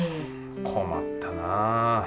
困ったな。